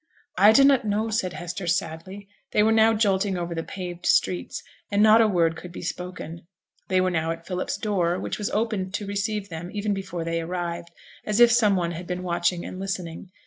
'I dunnot know,' said Hester, sadly. They were now jolting over the paved streets, and not a word could be spoken. They were now at Philip's door, which was opened to receive them even before they arrived, as if some one had been watching and listening.